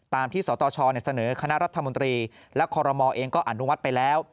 ตามที่สตชเสนอคณะรัฐมนตรีและคอรมอเองก็อนุมัติไปแล้ว